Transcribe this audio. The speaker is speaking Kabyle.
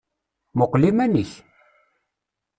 Muqel iman-ik!